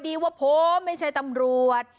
ที่อยู่กองพี่นายอยู่ก็เลย